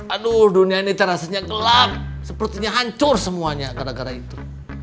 aduh dunia ini terasa gelap sepertinya hancur semuanya karena itu